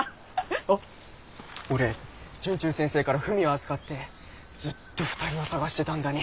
あっ俺惇忠先生から文を預かってずっと２人を捜してたんだに。